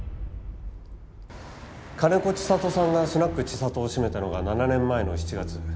金子千里さんがスナックちさとを閉めたのが７年前の７月。